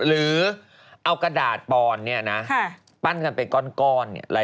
หรือเอากระดาษปอนเนี่ยนะปั้นกันเป็นก้อน